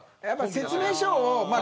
やっぱり、説明書を。